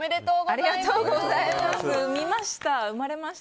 ありがとうございます。